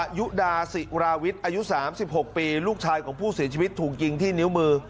ยุดาศิราวิทย์อายุ๓๖ปีลูกชายของผู้เสียชีวิตถูกยิงที่นิ้วมือ